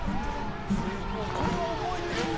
これは覚えてるでしょ